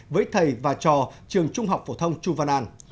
với thầy và trò trường trung học phổ thông chu văn an